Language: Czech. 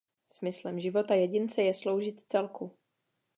Smyslem života jedince je sloužit celku.